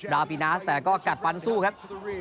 ราวปีนาสแต่ก็กัดฟันสู้ครับ